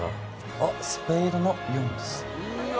あっスペードの４です